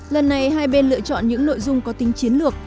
lần này hai bên lựa chọn những nội dung có tính chiến lược